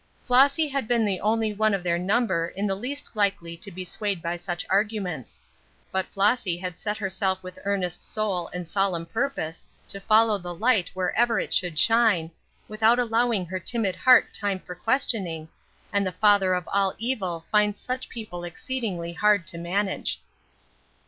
Flossy had been the only one of their number in the least likely to be swayed by such arguments. But Flossy had set herself with earnest soul and solemn purpose to follow the light wherever it should shine, without allowing her timid heart time for questioning, and the father of all evil finds such people exceedingly hard to manage.